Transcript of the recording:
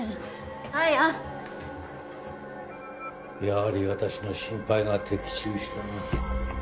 やはり私の心配が的中したな。